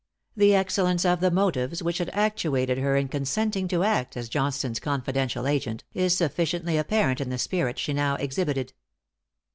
The excellence of the motives which had actuated her in consenting to act as Johnstone's confidential agent, is sufficiently apparent in the spirit she now exhibited.